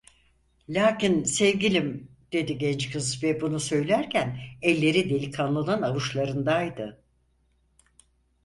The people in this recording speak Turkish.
"Lakin sevgilim!" dedi genç kız ve bunu söylerken elleri delikanlının avuçlarındaydı.